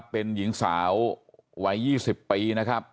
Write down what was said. เป็นหญิงสาววัย๒๐ปี